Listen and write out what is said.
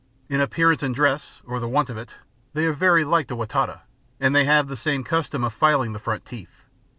In appearance and dress or the want of it they are very like the Wa Taita, and they have the same custom of filing the front teeth.